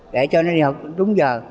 để cho nó đi học đúng giờ